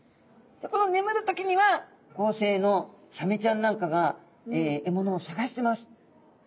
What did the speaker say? このねむる時には夜行性のサメちゃんなんかが獲物を探してます。